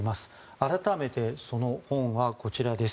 改めて、その本はこちらです。